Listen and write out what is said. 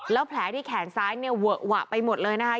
แล้วแผลที่แขนซ้ายเวอะไปหมดเลยนะคะ